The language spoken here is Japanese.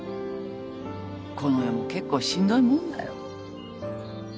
この世も結構しんどいもんだよ。